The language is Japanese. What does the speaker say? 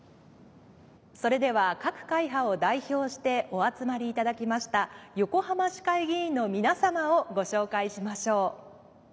それでは各会派を代表してお集まりいただきました横浜市会議員の皆様をご紹介しましょう。